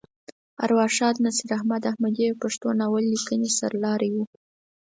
ارواښاد نصیر احمد احمدي د پښتو ناول لیکنې سر لاری وه.